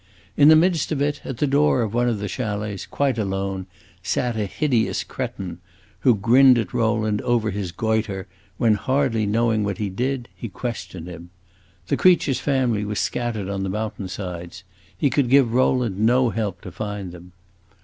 In the midst of it, at the door of one of the chalets, quite alone, sat a hideous cretin, who grinned at Rowland over his goitre when, hardly knowing what he did, he questioned him. The creature's family was scattered on the mountain sides; he could give Rowland no help to find them.